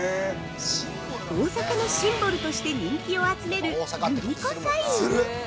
◆大阪のシンボルとして人気を集めるグリコサイン。